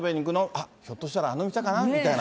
あっ、ひょっとしたらあの店かな？みたいな。